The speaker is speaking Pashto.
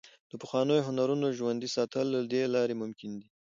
د پخوانیو هنرونو ژوندي ساتل له دې لارې ممکن دي.